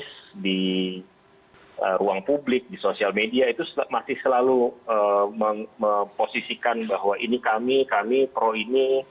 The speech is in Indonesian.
proses di ruang publik di sosial media itu masih selalu memposisikan bahwa ini kami kami pro ini